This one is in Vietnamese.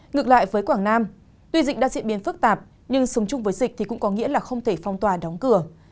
ngược lại với quảng nam tuy dịch đã diễn biến phức tạp nhưng sống chung với dịch thì cũng có nghĩa là không thể phong tỏa đóng cửa